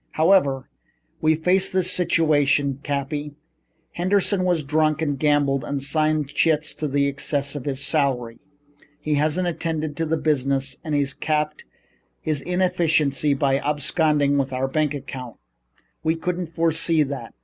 "However, we face this situation, Cappy. Henderson has drunk and gambled and signed chits in excess of his salary. He hasn't attended to business and he's capped his inefficiency by absconding with our bank account. We couldn't foresee that.